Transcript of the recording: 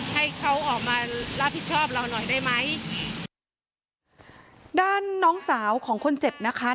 ให้เขาออกมารับผิดชอบเราหน่อยได้ไหมด้านน้องสาวของคนเจ็บนะคะ